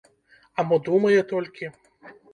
А мо думае толькі?